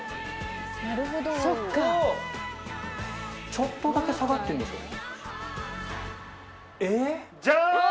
ちょっとだけ下がってるんですよね。